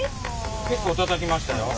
結構たたきましたよ。